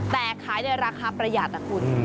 แต่ขายในราคาประหยัดนะคุณ